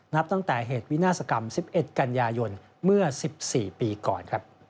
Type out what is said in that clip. นับตั้งแต่เหตุวินาศกรรม๑๑กันยายนเมื่อ๑๔ปีก่อน